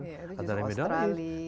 ya itu justru australia atau dari medan